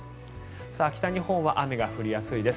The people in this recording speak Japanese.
北日本は雨が降りやすいです。